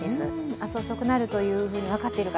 明日遅くなると分かっている方